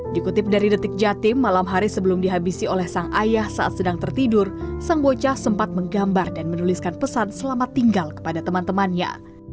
dikutip dari detik jatim malam hari sebelum dihabisi oleh sang ayah saat sedang tertidur sang bocah sempat menggambar dan menuliskan pesan selamat tinggal kepada teman temannya